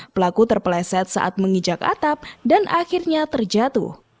pelaku terpeleset saat mengijak atap dan akhirnya terjatuh